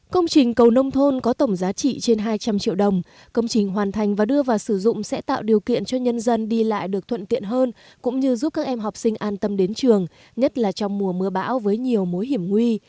công trình cầu nông thôn có tổng giá trị trên hai trăm linh triệu đồng công trình hoàn thành và đưa vào sử dụng sẽ tạo điều kiện cho nhân dân đi lại được thuận tiện hơn cũng như giúp các em học sinh an tâm đến trường nhất là trong mùa mưa bão với nhiều mối hiểm nguy